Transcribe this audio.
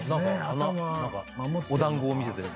「お団子を見せてる」